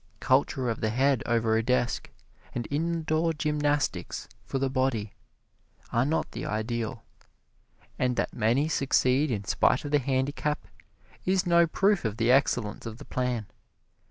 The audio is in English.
Culture of the head over a desk, and indoor gymnastics for the body, are not the ideal, and that many succeed in spite of the handicap is no proof of the excellence of the plan.